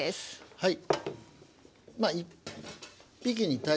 はい。